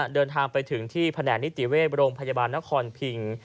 เดินทางไปถึงที่แผนกนิติเวศโรงพยาบาลนครพิง